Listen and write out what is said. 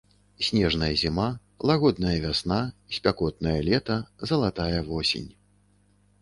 Снежная зіма, лагодная вясна, спякотнае лета, залатая восень.